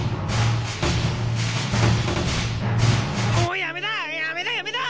もうやめだ！